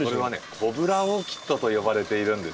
“コブラオーキッド”と呼ばれているんです。